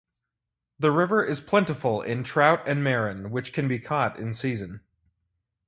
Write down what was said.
The river is plentiful in trout and marron which can be caught in season.